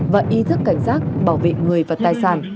và ý thức cảnh giác bảo vệ người và tài sản